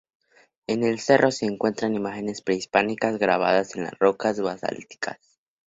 En el cerro se encuentran imágenes prehispánicas grabadas en rocas basálticas.